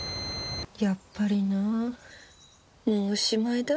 やっぱりなもうおしまいだ。